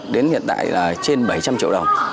đến hiện tại là trên bảy trăm linh triệu đồng